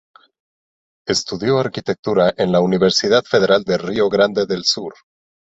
Estudió Arquitectura en la Universidad Federal de Río Grande del Sur.